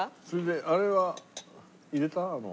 それであれは入れた？